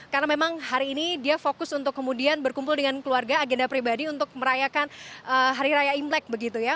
karena memang hari ini dia fokus untuk kemudian berkumpul dengan keluarga agenda pribadi untuk merayakan hari raya imlek begitu ya